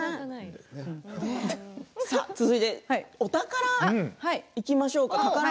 続いてはお宝いきましょうか。